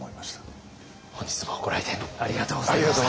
本日もご来店ありがとうございました。